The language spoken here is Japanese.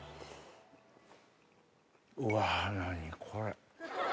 うわぁ何これ。